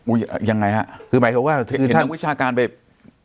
ยังไงฮะคือหมายความว่าคือเห็นนักวิชาการไป